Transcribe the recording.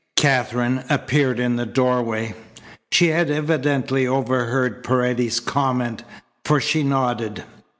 Katherine appeared in the doorway. She had evidently overheard Paredes's comment, for she nodded.